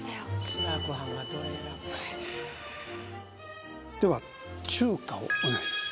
志らくはんがどれ選ぶかやなでは中華をお願いします